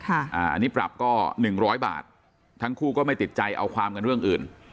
อันนี้ปรับก็๑๐๐บาททั้งคู่ก็ไม่ติดใจเอาความกันเรื่องอื่น